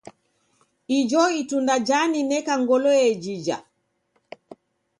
Ijo itunda janineka ngolo yejija.